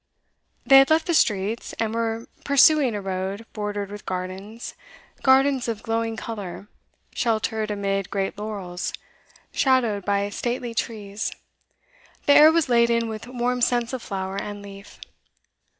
They had left the streets, and were pursuing a road bordered with gardens, gardens of glowing colour, sheltered amid great laurels, shadowed by stately trees; the air was laden with warm scents of flower and leaf.